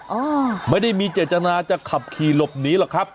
อ๋อไม่ได้มีเจตนาจะขับขี่หลบหนีหรอกครับ